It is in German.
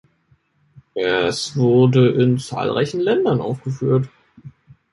Es wurde in zahlreichen Ländern aufgeführt.